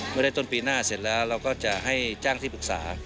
เมื่อได้ต้นปีหน้าเสร็จแล้วเราก็จะให้จ้างที่ปรึกษา